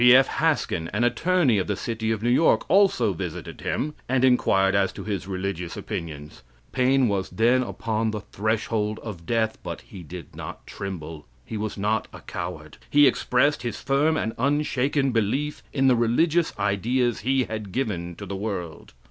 B.F. Haskin, an attorney of the City of New York, also visited him, and inquired as to his religious opinions. Paine was then upon the threshold of death, but he did not tremble, he was not a coward. He expressed his firm and unshaken belief in the religious ideas he had given to the world.